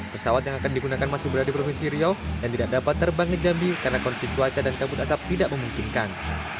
pesawat yang akan digunakan masih berada di provinsi riau dan tidak dapat terbang ke jambi karena kondisi cuaca dan kabut asap tidak memungkinkan